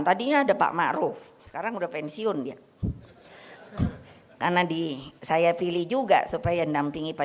tadinya ada pak ma'ruf sekarang udah pensiun ya karena di saya pilih juga supaya nampingi pak